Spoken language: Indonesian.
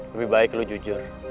lebih baik lo jujur